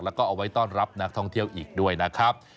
แล้วก็เอาไว้ต้อนรับนักท่องเที่ยวอีกด้วยนะครับ